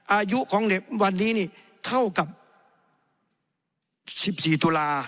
อายุของเด็กวันนี้นี่เท่ากับ๑๔ตุลา